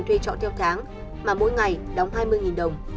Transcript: thuê trọ theo tháng mà mỗi ngày đóng hai mươi đồng